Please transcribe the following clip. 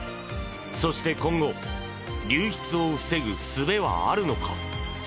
そして今後流出を防ぐすべはあるのか？